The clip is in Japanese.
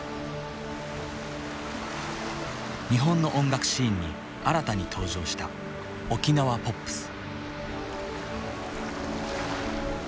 日本の音楽シーンに新たに登場した沖縄ポップス。